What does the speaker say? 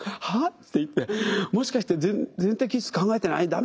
「は？」って言って「もしかして全摘出考えてない？